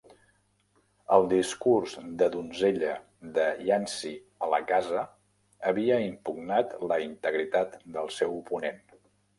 Al discurs de donzella de Yancey a la casa, havia impugnat la integritat del seu oponent.